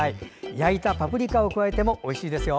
焼いたパプリカを加えてもおいしいですよ。